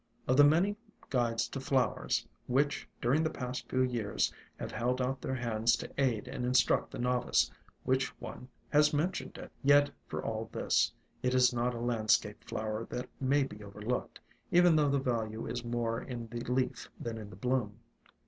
Of the many guides to flowers ALONG THE WATERWAYS which, during the past few years, have held out their hands to aid and instruct the novice, which one has mentioned it ? Yet, for all this, it is not a land scape flower that may be overlooked, even though the value is more in the leaf than in the bloom.